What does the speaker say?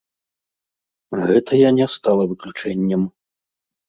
Гэтая не стала выключэннем.